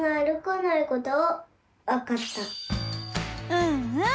うんうん！